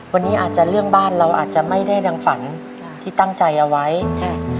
วันนี้อาจจะเรื่องบ้านเราอาจจะไม่ได้ดังฝันค่ะที่ตั้งใจเอาไว้ใช่